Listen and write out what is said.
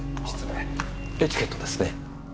エチケットですね？